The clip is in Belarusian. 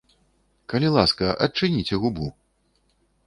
Калі ласка, адчыніце губу.